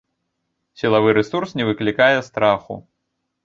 Сілавы рэсурс не выклікае страху.